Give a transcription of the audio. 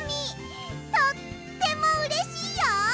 とってもうれしいよ！